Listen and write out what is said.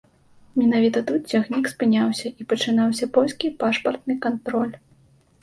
Менавіта тут цягнік спыняўся, і пачынаўся польскі пашпартны кантроль.